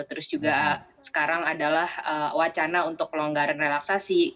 terus juga sekarang adalah wacana untuk pelonggaran relaksasi